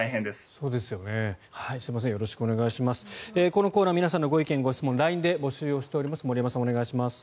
このコーナー皆さんのご意見・ご質問をＬＩＮＥで募集しています。